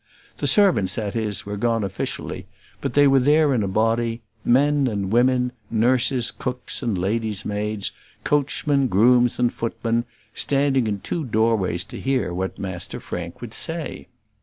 The servants, that is, were gone officially; but they were there in a body, men and women, nurses, cooks, and ladies' maids, coachmen, grooms, and footmen, standing in two doorways to hear what Master Frank would say.